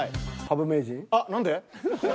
あっ何で？